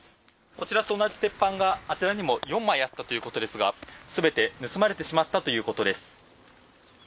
こちらと同じ鉄板があちらにも４枚あったということですが、すべて盗まれてしまったということです。